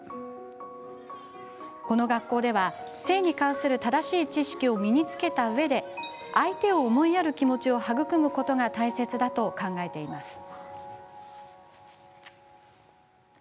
この学校では性に関する正しい知識を身につけたうえで相手を思いやる気持ちを育むことが大切だと考えています。